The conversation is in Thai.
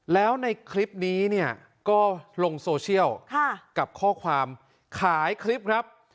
แล้วในคลิปนี้เนี่ยก็ลงโซเชียลกับข้อความขายคลิปครับ